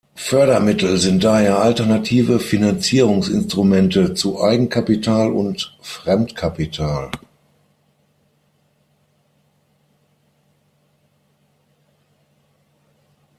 Fördermittel sind daher alternative Finanzierungsinstrumente zu Eigenkapital und Fremdkapital.